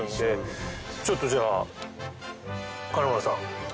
ちょっとじゃあ金丸さん。